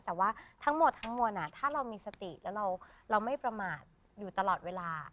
แต่ทั้งหมดถ้าเรามีสติและไม่ประมาทอยู่ตลอดเวลา